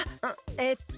えっと。